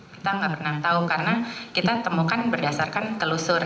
kita nggak pernah tahu karena kita temukan berdasarkan telusur